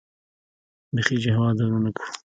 بيخي جهاد ونه کو.